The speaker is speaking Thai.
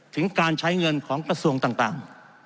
ถึงการใช้เงินของกระทรวงต่าง